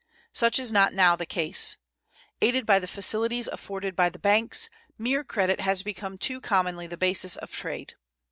Such is not now the case. Aided by the facilities afforded by the banks, mere credit has become too commonly the basis of trade.